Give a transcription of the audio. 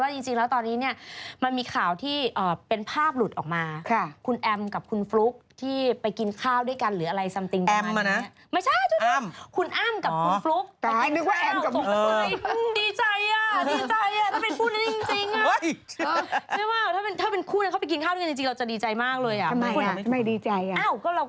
นี่เหรออ่านี่ไฮโซฟลุกนะแล้วคนก็ยังไม่พอหน้าตาน่ารัก